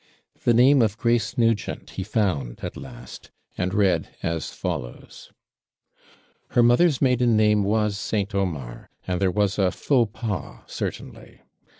The name of Grace Nugent he found at last, and read as follows: Her mother's maiden name was ST. OMAR; and there was a FAUX PAS, certainly.